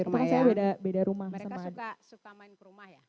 mereka suka main ke rumah ya